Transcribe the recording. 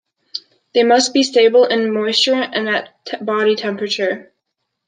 They must also be stable in moisture and at body temperature.